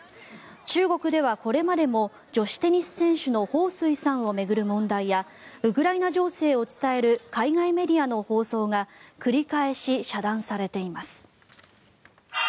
中国ではこれまでも女子テニス選手のホウ・スイさんを巡る問題やウクライナ情勢を伝える海外メディアの放送が繰り返し遮断されています。